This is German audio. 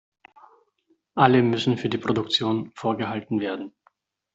Alle müssen für die Produktion vorgehalten werden.